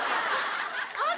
あっ。